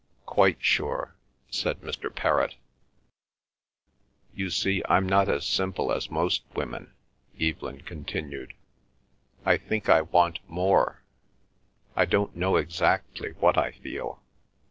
"Quite sure," said Mr. Perrott. "You see, I'm not as simple as most women," Evelyn continued. "I think I want more. I don't know exactly what I feel."